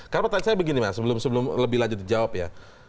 karena pertanyaan saya begini mas sebelum lebih lanjut dijawab ya